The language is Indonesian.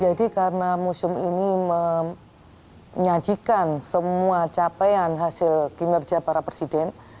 jadi karena museum ini menyajikan semua capaian hasil kinerja para presiden